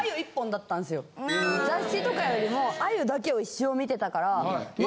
雑誌とかよりもあゆだけを一生見てたから。